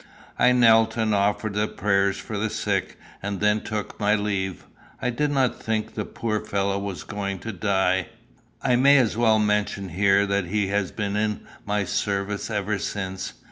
I knelt and offered the prayers for the sick, and then took my leave. I did not think the poor fellow was going to die. I may as well mention here, that he has been in my service ever since.